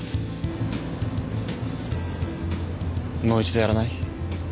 もう一度やらない？